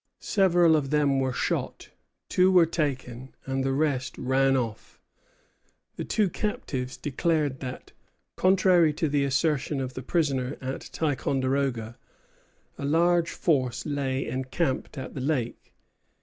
Several of them were shot, two were taken, and the rest ran off. The two captives declared that, contrary to the assertion of the prisoner at Ticonderoga, a large force lay encamped at the lake.